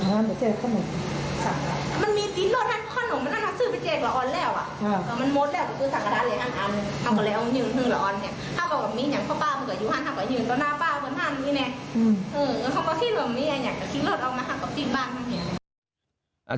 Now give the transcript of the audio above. เขาก็คิดแบบนี้อยากจะคิดเร็วเอามาฮันก็คิดบ้าง